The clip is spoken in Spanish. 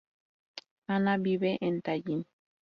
Hanna vive en Tallin.